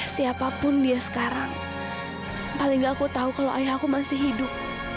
siapapun dia sekarang paling gak aku tahu kalau ayah aku masih hidup